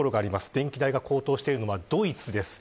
電気代が高騰しているのはドイツです。